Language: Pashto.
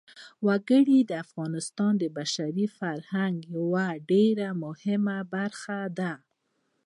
وګړي د افغانستان د بشري فرهنګ یوه ډېره مهمه برخه ده.